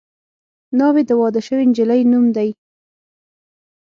ناوې د واده شوې نجلۍ نوم دی